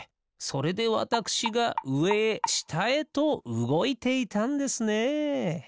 それでわたくしがうえへしたへとうごいていたんですね。